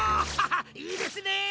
いいですね！